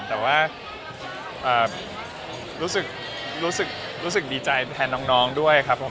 แต่ว่ารู้สึกดีใจแทนน้องด้วยครับผม